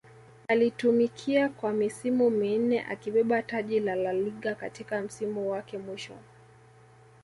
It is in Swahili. aliitumikia kwa misimu minne akibeba taji la La Liga katika msimu wake mwisho